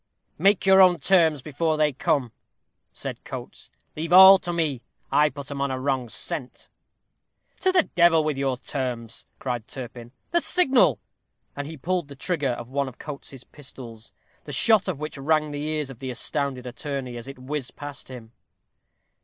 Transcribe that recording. "Make your own terms before they come," said Coates. "Leave all to me. I'll put 'em on a wrong scent." "To the devil with your terms," cried Turpin; "the signal!" And he pulled the trigger of one of Coates's pistols, the shot of which rang in the ears of the astounded attorney as it whizzed past him.